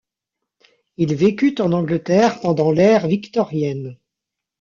Il vécut en Angleterre pendant l'ère victorienne.